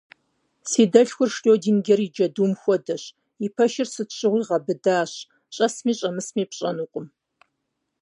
Си дэлъхур Шрёдингер и джэдум хуэдэщ: и пэшыр сыт щыгъуи гъэбыдащ, щӏэсми щӏэмысми пщӏэнукъым.